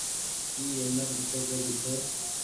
اي اينڪ اشوڪي ري ڇي۔